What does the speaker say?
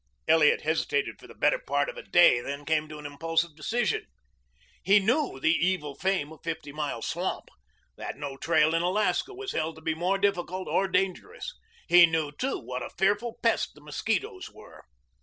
Elliot hesitated for the better part of a day, then came to an impulsive decision. He knew the evil fame of Fifty Mile Swamp that no trail in Alaska was held to be more difficult or dangerous. He knew too what a fearful pest the mosquitoes were.